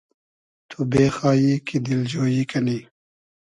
تو بېخایی کی دیلجۉیی کنی